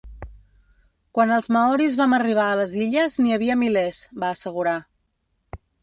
Quan els maoris vam arribar a les illes n'hi havia milers —va assegurar—.